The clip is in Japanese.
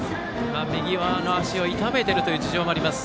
右側の足を痛めているという事情もあります。